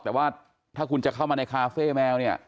แต่ว่าถ้าคุณจะเข้ามาในคาเฟ่แมวเนี่ย